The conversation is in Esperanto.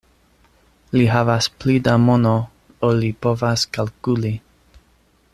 Li havas pli da mono, ol li povas kalkuli.